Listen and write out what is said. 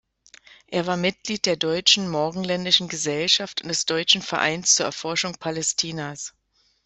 Er war Mitglied der Deutschen Morgenländischen Gesellschaft und des Deutschen Vereins zur Erforschung Palästinas.